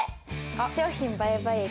商品売買益。